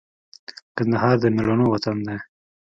کندهار د مېړنو وطن دی